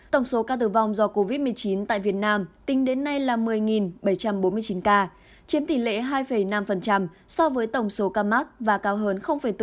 tổng số ca tử vong do covid một mươi chín tại việt nam tính đến nay là một mươi bảy trăm bốn mươi chín ca chiếm tỷ lệ hai năm so với tổng số ca mắc và cao hơn bốn